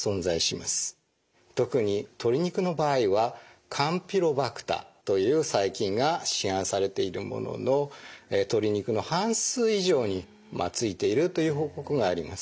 特に鶏肉の場合はカンピロバクターという細菌が市販されているものの鶏肉の半数以上についているという報告があります。